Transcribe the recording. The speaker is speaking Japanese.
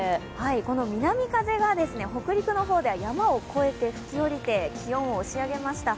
この南風が北陸の方では、山を越えて、ふき降りて気温を押し上げました。